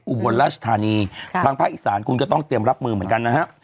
อุบลราชธานีทางภาคอีสานคุณก็ต้องเตรียมรับมือเหมือนกันนะฮะ